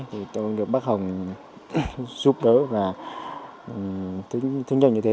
tôi cũng được bác hồng giúp đỡ và tính cho như thế